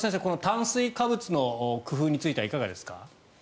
炭水化物の工夫についてはいかがですか。